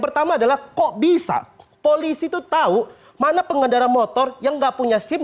pertama adalah kok bisa polisi itu tahu mana pengendara motor yang nggak punya sim